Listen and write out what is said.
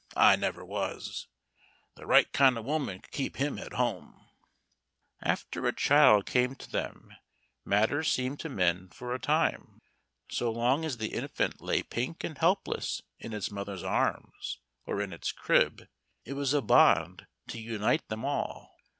I never was. The right kind of a woman could keep him at home." After a child came to them matters seemed to mend for a time. So long as the infant lay pink and helpless in its mother's arms or in its crib, it was a bond to unite them all.